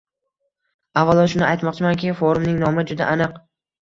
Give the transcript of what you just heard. Avvalo, shuni aytmoqchimanki, forumning nomi juda aniq: